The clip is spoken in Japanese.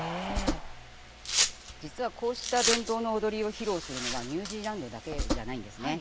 実は、こうした伝統の踊りを披露するのはニュージーランドだけじゃないんです。